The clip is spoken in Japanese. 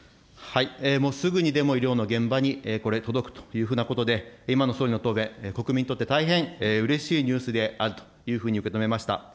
すぐにでも医療の現場にこれ、届くというようなことで、今の総理の答弁、国民にとって大変うれしいニュースであるというふうに受け止めました。